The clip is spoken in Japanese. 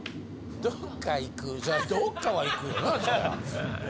・どっか行くいやどっかは行くよなそら。